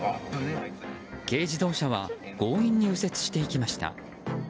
軽自動車は強引に右折していきました。